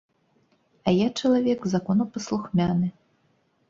А я чалавек законапаслухмяны.